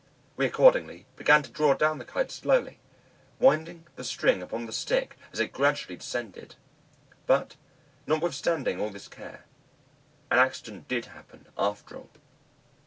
We accordingly began to draw down the Kite slowly, winding the string upon the stick as it gradually descended. But notwithstanding all this care, an accident did happen after all.